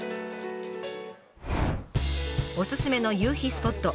おすすめの夕日スポット